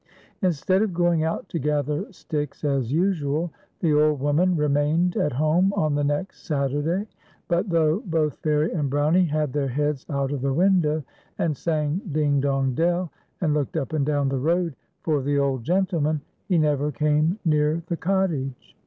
Instead of going out to gather sticks as usual, the FAIRIE AXD BROlV.y//:. 171 old woman remained at home on the next Saturday; but thoiigli both Fairie and Brownie had their heads cut of the window, and san<^ " Din^, don^, dell," and looked up and down the road for the old gentleman, he never came near the cottage.